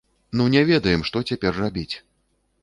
Ну не ведаем, што цяпер рабіць!